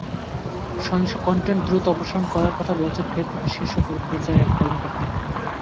সহিংস কনটেন্ট দ্রুত অপসারণ করার কথা বলেছেন ফেসবুকের শীর্ষ পর্যায়ের এক কর্মকর্তা।